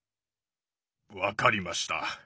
分かりました。